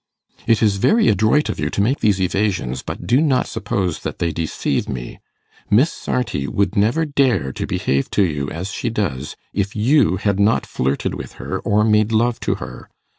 'It is very adroit of you to make these evasions, but do not suppose that they deceive me. Miss Sarti would never dare to behave to you as she does, if you had not flirted with her, or made love to her.